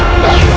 kau akan dihukum